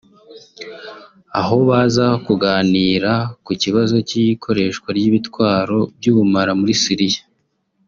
aho baza kuganira ku kibazo cy’ikoreshwa ry’ibitwaro by’ubumara muri Syria